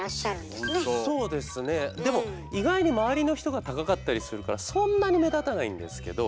でも意外に周りの人が高かったりするからそんなに目立たないんですけど。